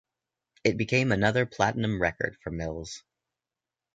It became another platinum record for Mills.